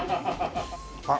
あっ